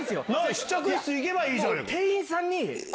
試着室行けばいいじゃん。